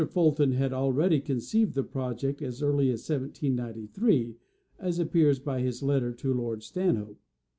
Fulton had already conceived the project as early as 1793, as appears by his letter to lord Stanhope.